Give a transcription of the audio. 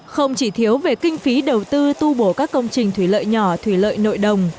không chỉ thiếu về kinh phí đầu tư tu bổ các công trình thủy lợi nhỏ thủy lợi nội đồng